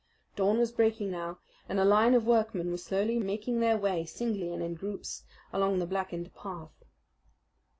Day was breaking now, and a line of workmen were slowly making their way, singly and in groups, along the blackened path.